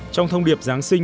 trong thông điệp giáng sinh